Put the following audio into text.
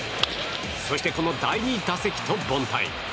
そしてこの第２打席と凡退。